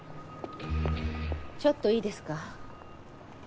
ちょっといいですか？